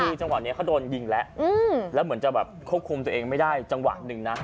คือจังหวะนี้เขาโดนยิงแล้วแล้วเหมือนจะแบบควบคุมตัวเองไม่ได้จังหวะหนึ่งนะ